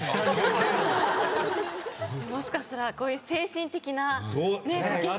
もしかしたらこういう精神的な駆け引きもね。